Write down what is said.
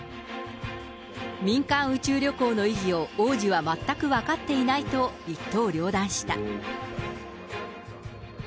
民間宇宙旅行の意義を王子は全く分かっていないと、一刀両断した。